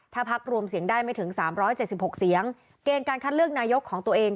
ถ้าพักรวมเสียงได้ไม่ถึงสามร้อยเจสสิบหกเสียงเกณฑ์ขั้นเลือกนายกของตัวเอง